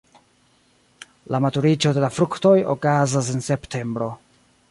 La maturiĝo de la fruktoj okazas en septembro.